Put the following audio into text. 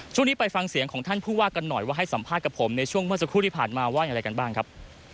ช่วงนี้ไปฟังเสียงของท่านผู้ว่ากันหน่อยว่าให้สัมภาษณ์กับผมในช่วงเมื่อสักครู่ที่ผ่านมาว่าอย่างไรกันบ้างครับ